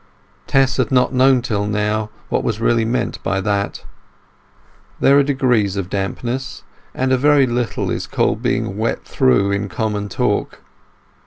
Tess had not known till now what was really meant by that. There are degrees of dampness, and a very little is called being wet through in common talk.